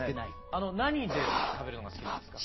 あの何で食べるのが好きなんですか？